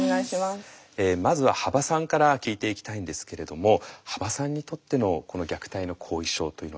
まずは羽馬さんから聞いていきたいんですけれども羽馬さんにとってのこの虐待の後遺症というのはどんなものでしたか？